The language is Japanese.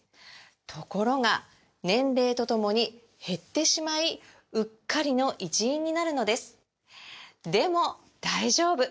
ところが年齢とともに減ってしまいうっかりの一因になるのですでも大丈夫！